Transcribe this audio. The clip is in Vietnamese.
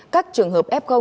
các trường hợp f